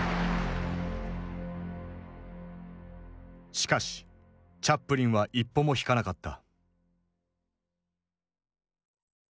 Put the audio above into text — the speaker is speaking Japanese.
しかしチャップリンは一歩も引かなかった。